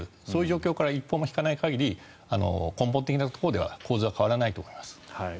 その状況から一歩も引かない限り根本的なところでは構図は変わらないと思います。